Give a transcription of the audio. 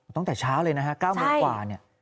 ตั้งแต่เช้าเลยนะครับ๙นาทีกว่า